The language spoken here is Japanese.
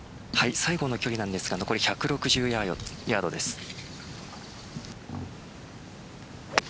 西郷の距離なんですが残り１６０ヤードです。